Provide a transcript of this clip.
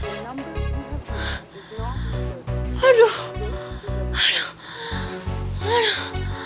aduh aduh aduh aduh